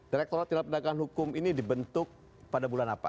direkturat tnih ini dibentuk pada bulan apa